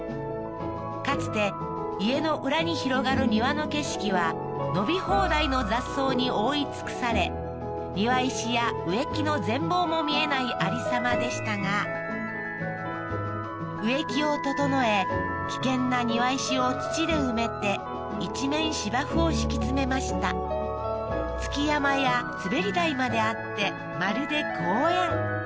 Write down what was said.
かつて家の裏に広がる庭の景色は伸び放題の雑草に覆い尽くされ庭石や植木の全貌も見えないありさまでしたが植木を整え危険な庭石を土で埋めて一面芝生を敷き詰めました築山や滑り台まであってまるで公園